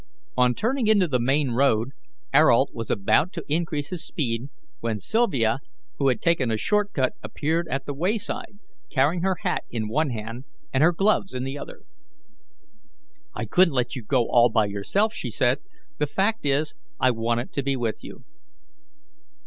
On turning into the main road Ayrault was about to increase his speed, when Sylvia, who had taken a short cut appeared at the wayside carrying her hat in one hand and her gloves in the other. "I couldn't let you go all by yourself," she said. "The fact is, I wanted to be with you."